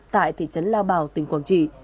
tại thị trấn lao bào tỉnh quảng trị